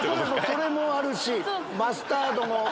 それもあるしマスタードも。